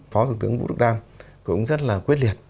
phó thủ tướng vũ đức đam cũng rất là quyết liệt